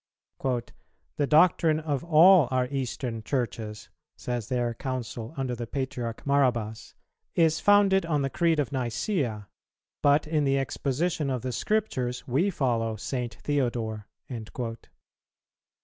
"The doctrine of all our Eastern Churches," says their Council under the Patriarch Marabas, "is founded on the Creed of Nicæa; but in the exposition of the Scriptures we follow St. Theodore."